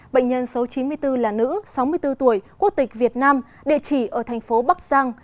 bệnh nhân số chín mươi bốn là nữ sáu mươi bốn tuổi quốc tịch việt nam địa chỉ ở thành phố bắc giang